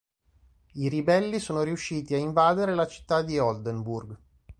I ribelli sono riusciti a invadere la città di Oldenburg.